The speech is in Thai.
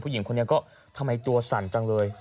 หญิงคนนี้ก็ทำไมตัวสั่นจังเลย